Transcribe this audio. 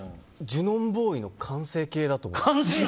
ジュノンボーイの完成形だと思う。